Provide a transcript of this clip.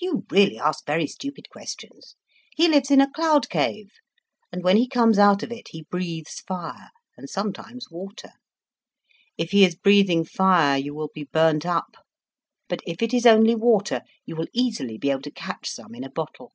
You really ask very stupid questions. He lives in a cloud cave. And when he comes out of it he breathes fire, and sometimes water. If he is breathing fire you will be burnt up, but if it is only water, you will easily be able to catch some in a little bottle.